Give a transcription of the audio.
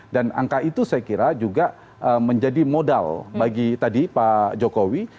angka itu saya kira juga menjadi modal bagi tadi pak jokowi